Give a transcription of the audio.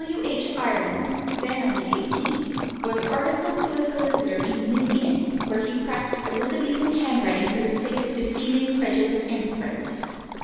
W. H. Ireland, then only eighteen, was articled to a solicitor in New Inn, where he practised Elizabethan handwriting for the sake of deceiving credulous antiquaries.